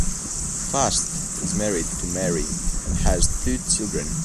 Fasth is married to Marie and has two children.